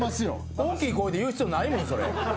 大きい声で言う必要ないもんそれ。